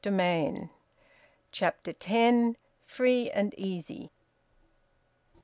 VOLUME ONE, CHAPTER TEN. FREE AND EASY.